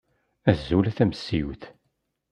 Azul a tamessiwt!